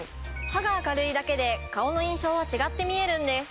歯が明るいだけで顔の印象は違って見えるんです。